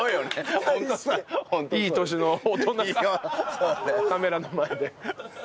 いい年の大人がカメラの前で。